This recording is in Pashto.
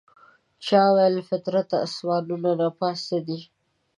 چا ویل فطرته اسمانونو نه پاس څه دي؟